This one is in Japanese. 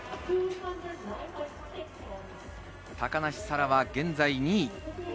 高梨沙羅は現在２位。